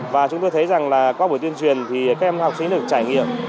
và chúng tôi thấy rằng là qua buổi tuyên truyền thì các em học sinh được trải nghiệm